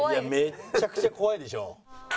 めっちゃくちゃ怖いでしょ。